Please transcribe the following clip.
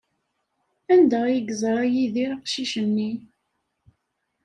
Anda ay yeẓra Yidir aqcic-nni?